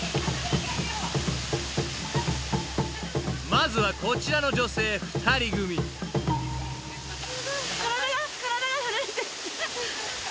［まずはこちらの女性２人組］え。